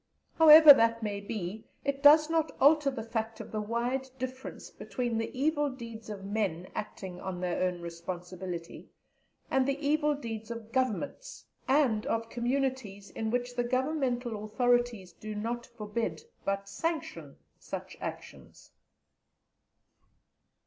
However that may be, it does not alter the fact of the wide difference between the evil deeds of men acting on their own responsibility and the evil deeds of Governments, and of Communities in which the Governmental Authorities do not forbid, but sanction, such actions.